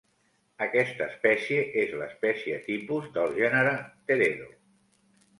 Aquesta espècie és l'espècie tipus del gènere "Teredo".